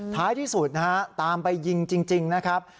ท้ายที่สุดนะฮะตามไปยิงจริงนะครับ